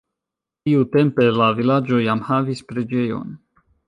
Tiutempe la vilaĝo jam havis preĝejon.